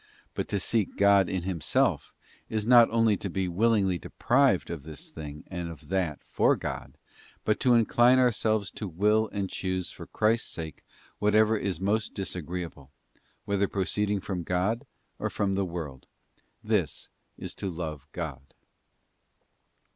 But to seek God in Himself is not only to be willingly deprived of this thing and of that for God, but to incline ourselves to will and choose for Christ's sake whatever is most disagreeable, whether proceeding from God or from the world; this is to love God.